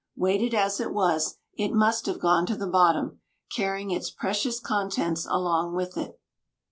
Weighted as it was, it must have gone to the bottom, carrying its precious contents along with it.